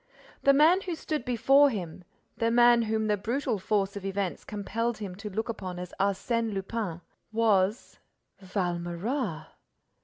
The man who stood before him, the man whom the brutal force of events compelled him to look upon as Arsène Lupin, was—Valméras!